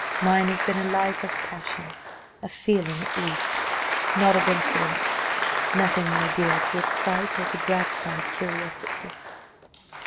Mine has been a life of passion of feeling, at least, not of incidents: nothing, my dear, to excite or to gratify curiosity."